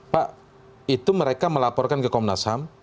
pak itu mereka melaporkan ke komnas ham